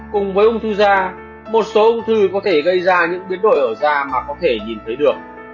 cùng với ung thư da một số ung thư có thể gây ra những biến đổi ở da mà có thể nhìn thấy được